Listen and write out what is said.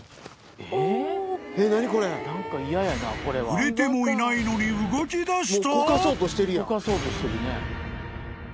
［触れてもいないのに動きだした？］